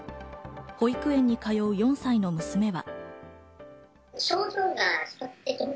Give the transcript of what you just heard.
保育園に通う４歳の娘は。